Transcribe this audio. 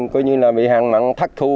coi như là bị hạn mặn thắt thu